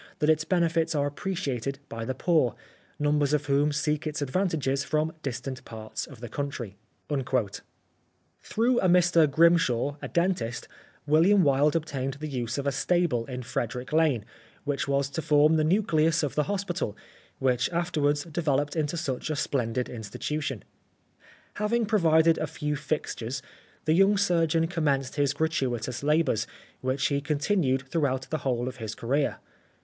.. that its benefits are appreciated by the poor, numbers of whom seek its advantages from distant parts of the country." B 17 The Life of Oscar Wilde Through a Mr Grimshaw, a dentist, Wilham Wilde obtained the use of a stable in Frederick Lane, which was to form the nucleus of the hospital, which afterwards developed into such a splendid institution. Having provided a few fixtures, the young surgeon commenced his gratuitous labours, which he continued through out the whole of his career.